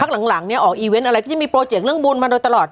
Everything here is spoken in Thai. หลังเนี่ยออกอีเวนต์อะไรก็จะมีโปรเจกต์เรื่องบุญมาโดยตลอด